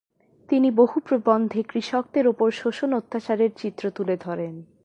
তিনি বহু প্রবন্ধে কৃষকদের উপর শোষণ অত্যাচারের চিত্র তুলে ধরেন।